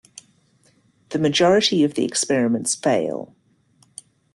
The majority of the experiments fail.